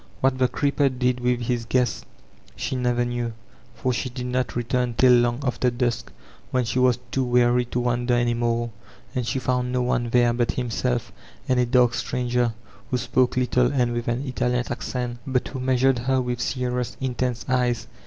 What the creeper did with his guests she never knew, for she did not return till long after dusk, when she was too weary to wander any more, and she found no one there but himself and a dark stranger, who spoke little and with an Italian accent, but who measured her with serious, intense eyes.